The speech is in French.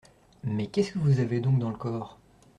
Mais qu’est-ce que vous avez donc dans le corps ?…